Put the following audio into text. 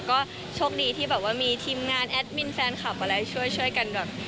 ก็โชคดีที่แบบว่ามีทีมงานแอดมินแฟนคลับอะไรช่วยกันแบบ